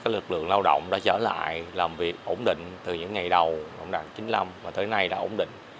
lực lượng lao động đã trở lại làm việc ổn định từ những ngày đầu năm một nghìn chín trăm chín mươi năm và tới nay đã ổn định